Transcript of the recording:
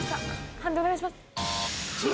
判定お願いします。